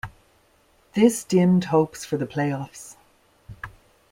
This dimmed hopes for the playoffs.